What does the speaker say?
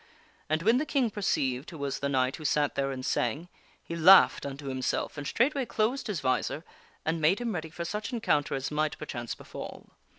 And when the King perceived who was the knight who sat there and sang, he laughed unto himself and straightway closed his visor and made him ready for such encounter as might, perchance, befall.